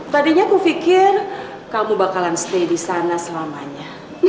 tadinya aku pikir kamu bakalan stay disana selamanya